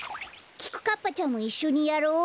きくかっぱちゃんもいっしょにやろう。